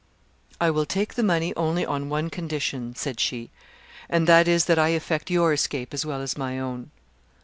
"I will take the money only on one condition," said she; "and that is, that I effect your escape as well as my own."